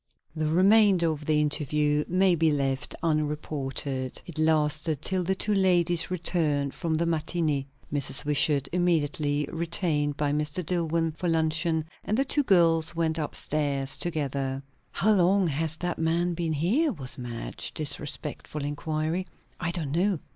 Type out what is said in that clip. The remainder of the interview may be left unreported. It lasted till the two ladies returned from the matinée. Mrs. Wishart immediately retained Mr. Dillwyn for luncheon, and the two girls went up stairs together. "How long has that man been here?" was Madge's disrespectful inquiry. "I don't know."